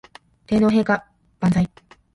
天皇陛下万歳